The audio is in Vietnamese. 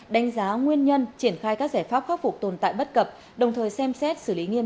đánh giá nguyên nhân triển khai các giải pháp khắc phục tồn tại bất cập đồng thời xem xét xử lý nghiêm